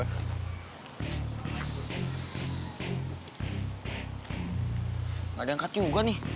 nggak diangkat juga nih